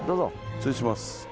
失礼します。